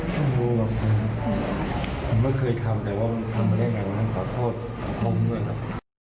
ผมมองแบบคือไม่เคยทำแต่ว่าถ้ำันได้ยังไงวันนั้นขอโทษผมด้วยครับ